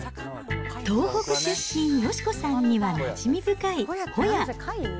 東北出身、佳子さんにはなじみ深いホヤ。